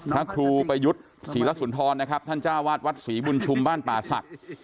พระครูประยุทธ์ศรีรสุนทรนะครับท่านจ้าวาดวัดศรีบุญชุมบ้านป่าศักดิ์